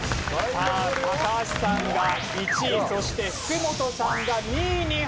さあ高橋さんが１位そして福本さんが２位に入ります。